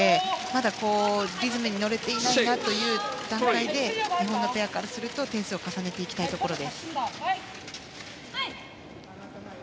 まだリズムに乗れていないなという段階で日本ペアからすると点数を重ねていきたいです。